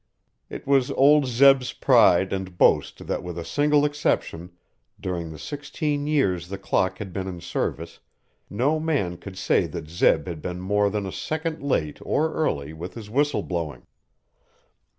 It was old Zeb's pride and boast that with a single exception, during the sixteen years the clock had been in service, no man could say that Zeb had been more than a second late or early with his whistle blowing.